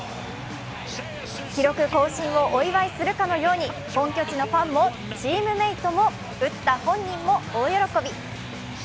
記録更新をお祝いするかのように本拠地のファンもチームメイトも打った本人も大喜び。